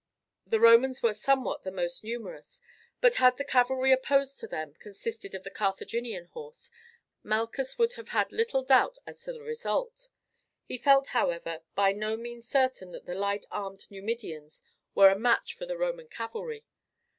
The Romans were somewhat the most numerous; but, had the cavalry opposed to them consisted of the Carthaginian horse, Malchus would have had little doubt as to the result; he felt, however, by no means certain that the light armed Numidians were a match for the Roman cavalry.